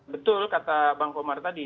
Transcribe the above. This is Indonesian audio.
betul kata bang komar tadi